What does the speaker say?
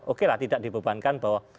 okelah tidak dibebankan toh